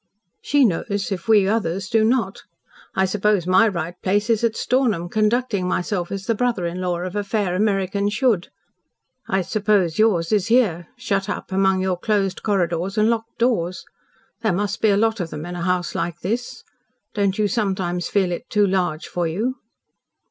"She knows if we others do not. I suppose my right place is at Stornham, conducting myself as the brother in law of a fair American should. I suppose yours is here shut up among your closed corridors and locked doors. There must be a lot of them in a house like this. Don't you sometimes feel it too large for you?"